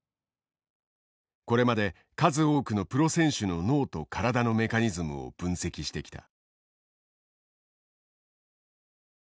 これまで数多くのプロ選手の脳と体のメカニズムを分析してきた。